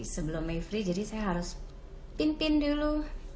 sebelum mayfrey jadi saya harus pin pin dulu